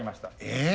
え！